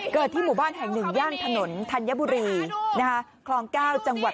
ที่หมู่บ้านแห่งหนึ่งย่านถนนธัญบุรีคลอง๙จังหวัด